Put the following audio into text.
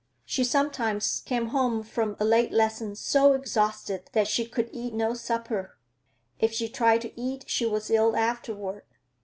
She sometimes came home from a late lesson so exhausted that she could eat no supper. If she tried to eat, she was ill afterward.